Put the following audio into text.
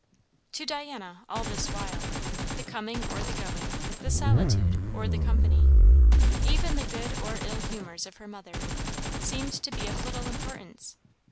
To Diana, all this while, the coming or the going, the solitude or the company, even the good or ill humours of her mother, seemed to be of little importance.